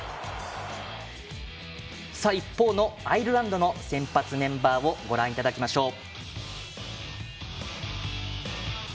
一方のアイルランドの先発メンバーをご覧いただきましょう。